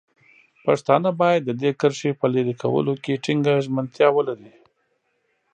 پښتانه باید د دې کرښې په لرې کولو کې ټینګه ژمنتیا ولري.